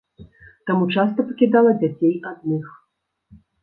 Таму часта пакідала дзяцей адных.